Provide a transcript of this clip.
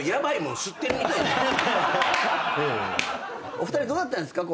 お二人どうだったんですか？